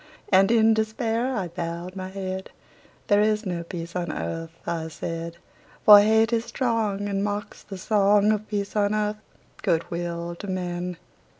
And in despair I bowed my head; "There is no peace on earth," I said: "For hate is strong, And mocks the song Of peace on earth, good will to men!"